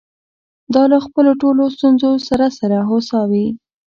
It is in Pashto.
دا له خپلو ټولو ستونزو سره سره هوسا وې.